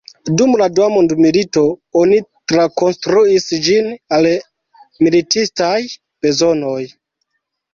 Dum la dua mondmilito, oni trakonstruis ĝin al militistaj bezonoj.